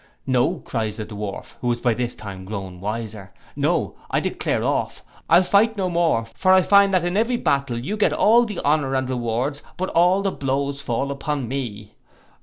No, cries the Dwarf who was by this time grown wiser, no, I declare off; I'll fight no more; for I find in every battle that you get all the honour and rewards, but all the blows fall upon me.